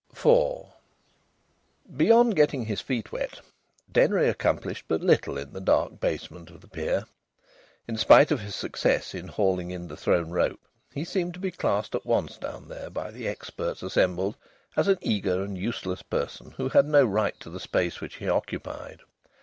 IV Beyond getting his feet wet Denry accomplished but little in the dark basement of the pier. In spite of his success in hauling in the thrown rope, he seemed to be classed at once down there by the experts assembled as an eager and useless person who had no right to the space which he occupied.